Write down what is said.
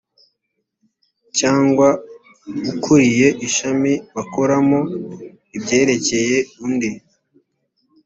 cyangwa ukuriye ishami bakoramo ibyerekeye undi